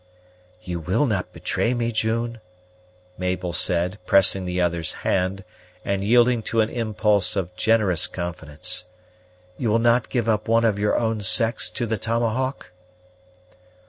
"You will not betray me, June?" Mabel said, pressing the other's hand, and yielding to an impulse of generous confidence. "You will not give up one of your own sex to the tomahawk?"